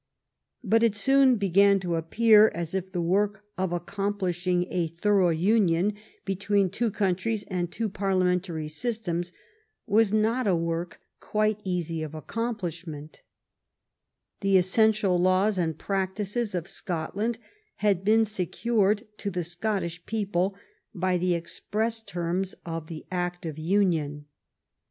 But it soon began to appear as if the work of accomplish ing a thorough union between two countries and two parliamentary systems was not a work quite easy of accomplishment The essential laws and practices of Scotland had been secured to the Scottish people by the express terms of the act of union.